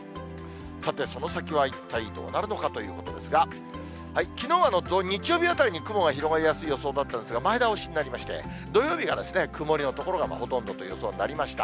さて、その先は一体どうなるのかということですが、きのう、日曜日あたりに雲が広がりやすい予想だったんですが、前倒しになりまして、土曜日のところが曇りの所がほとんどということになりました。